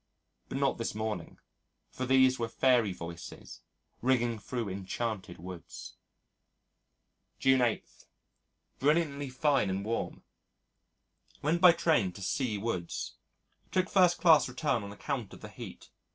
But not this morning. For these were fairy voices ringing through enchanted woods. June 8. Brilliantly fine and warm. Went by train to C Woods. Took first class return on account of the heat.